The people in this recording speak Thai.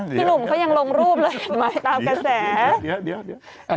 พี่หนุ่มเขายังลงรูปเลยหมายตามกระแส